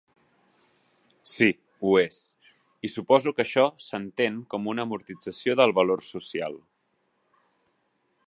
Si, ho és... I suposo que això s'entén com una amortització del valor social.